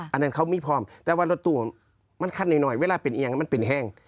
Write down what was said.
อันนั้นก็มันไม่พร้อมแต่ว่ารถตู้มันค่านหน่อยเวลาเป็นแห่ง